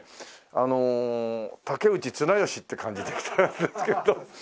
あの武内つなよしっていう感じで来たんですけど。